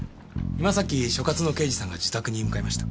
今さっき所轄の刑事さんが自宅に向かいました。